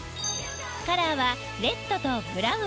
カラーはレッドとブラウン。